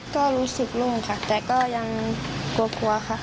ก็รู้สึกรู้ค่ะแต่ก็ยังกลัวค่ะ